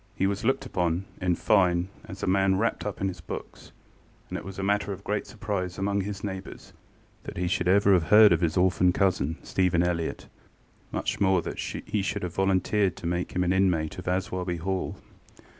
He was looked upon, in fine, as a man wrapped up in his books, and it was a matter of great surprise among his neighbours that he should ever have heard of his orphan cousin, Stephen Elliott, much more that he should have volunteered to make him an inmate of Aswarby Hall.